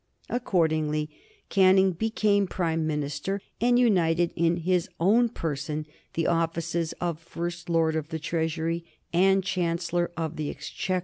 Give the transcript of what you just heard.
Accordingly Canning became Prime Minister, and united in his own person the offices of First Lord of the Treasury and Chancellor of the Exchequer.